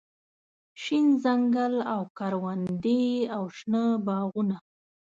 شين ځنګل او کروندې او شنه باغونه